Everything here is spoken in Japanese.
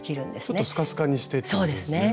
ちょっとスカスカにしてってことですね。